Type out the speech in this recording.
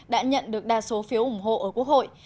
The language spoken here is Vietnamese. đã nhận được đa số phiếu ủng hộ ở quốc hội